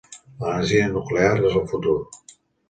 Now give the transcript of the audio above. L'energia nuclear és el futur.